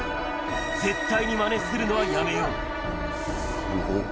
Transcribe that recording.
絶対にまねするのはやめよう。